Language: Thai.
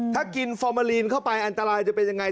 ถ้ากินฟอร์มาลีนเข้าไปอันตรายจะเป็นยังไง